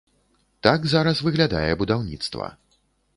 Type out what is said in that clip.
Так зараз выглядае будаўніцтва.